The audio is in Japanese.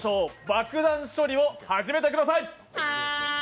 爆弾処理を始めてください。